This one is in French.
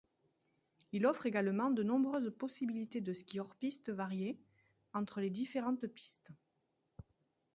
Il offre également de nombreuses possibilités de ski hors-piste variées, entre les différentes pistes.